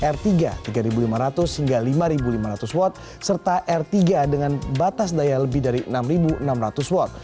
r tiga tiga lima ratus hingga lima lima ratus watt serta r tiga dengan batas daya lebih dari enam enam ratus watt